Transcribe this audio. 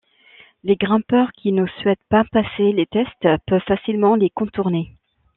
Les grimpeurs qui ne souhaitent pas passer les tests peuvent facilement les contourner.